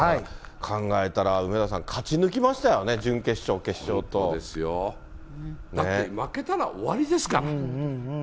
考えたら、梅沢さん、勝ち抜きましたよね、準決だって、負けたら終わりですから。